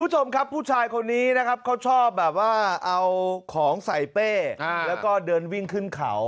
คุณผู้ชมครับผู้ชายคนนี้นะครับเขาชอบแบบว่าเอาของใส่เป้แล้วก็เดินวิ่งขึ้นเขา